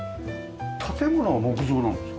建物は木造なんですか？